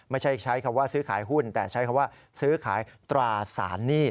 ไม่ใช่ใช้คำว่าซื้อขายหุ้นแต่ใช้คำว่าซื้อขายตราสารหนี้